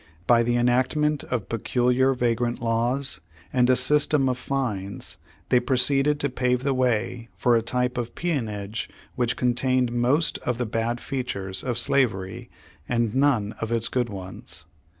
By the enact ment of peculiar vagrant laws, and a system of fines they proceeded to pave the way for a type of peonage which contained most of the bad features of slavery, and none of its good ones.